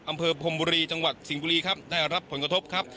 อำเภอพรมบุรีจังหวัดสิงห์บุรีครับได้รับผลกระทบครับ